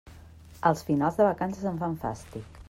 Els finals de vacances em fan fàstic.